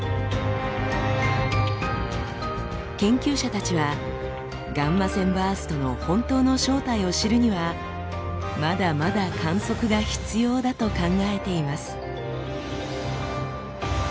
研究者たちはガンマ線バーストの本当の正体を知るにはまだまだ観測が必要だと考えています。